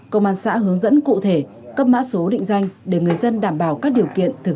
công an xã hướng dẫn cụ thể cấp mã số định danh để người dân đảm bảo các điều kiện thực